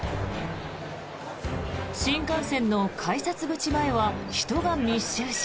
新幹線の改札口前は人が密集し